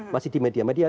masih di media media